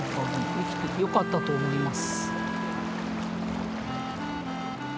生きててよかったと思います。